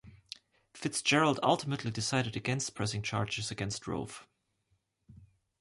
Fitzgerald ultimately decided against pressing charges against Rove.